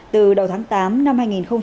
từ đầu tháng tám năm hai nghìn hai mươi